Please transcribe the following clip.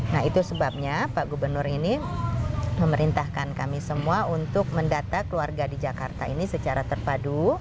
nah itu sebabnya pak gubernur ini memerintahkan kami semua untuk mendata keluarga di jakarta ini secara terpadu